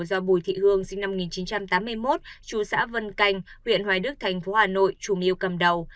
do bùi thị hương sinh năm một nghìn chín trăm tám mươi một chú xã vân canh huyện hoài đức thành phố hà nội chủ mưu cầm đầu